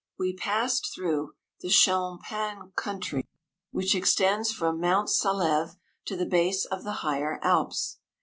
We passed through the champain country, which extends 142 from Mont Saleve to the base of the higher Alps.